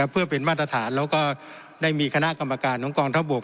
เพื่อเป็นมาตรฐานแล้วก็ได้มีคณะกรรมการของกองทัพบก